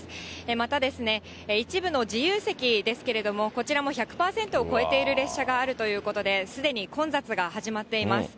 また一部の自由席ですけれども、こちらも１００％を超えている列車があるということで、すでに混雑が始まっています。